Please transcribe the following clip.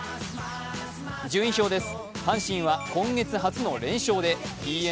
順位表です。